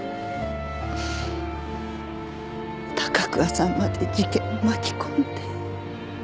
高桑さんまで事件に巻き込んで。